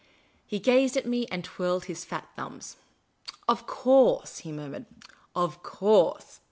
He gazed at me, and twirled his fat thumbs. '* Of course," he murmured. " Of course.